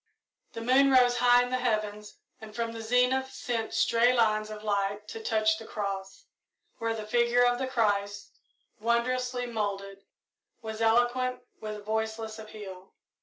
The moon rose high in the heavens and from the zenith sent stray lines of light to touch the cross, where the figure of the Christ, wondrously moulded, was eloquent with voiceless appeal.